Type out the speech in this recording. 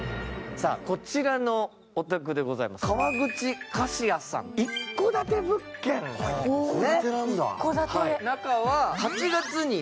こちらのお宅でございます、川口貸家さん、一戸建て物件ですね